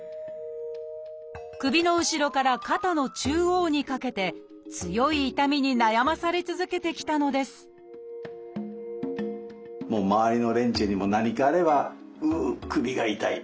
首の後ろから肩の中央にかけて強い痛みに悩まされ続けてきたのです周りの連中にも何かあれば「うう首が痛い。